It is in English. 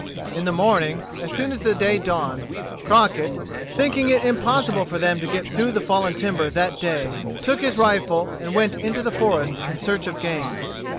In the morning, as soon as the day dawned, Crockett, thinking it impossible for them to get through the fallen timber that day, took his rifle and went into the forest in search of game.